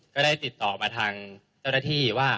ก็ได้ติดต่อมาทางเจ้าหน้าที่ว่า